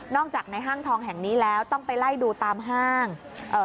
จากในห้างทองแห่งนี้แล้วต้องไปไล่ดูตามห้างเอ่อ